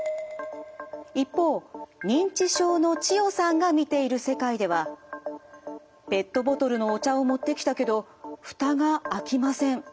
一方認知症の千代さんが見ている世界ではペットボトルのお茶を持ってきたけどフタが開きません。